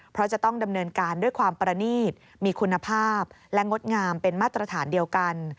เพราะจะต้องดำเนินการด้วยความประนีตมีคุณภาพและงดงามเป็นมาตรฐานเดียวกัน